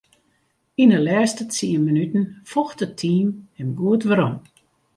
Yn 'e lêste tsien minuten focht it team him goed werom.